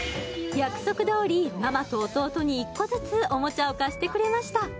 約束どおりママと弟に１個ずつおもちゃを貸してくれました